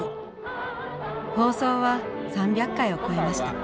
放送は３００回を超えました。